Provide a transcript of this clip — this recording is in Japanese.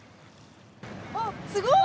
あっ、すごい。